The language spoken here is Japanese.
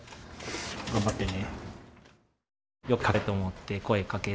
頑張ってね。